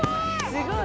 すごい！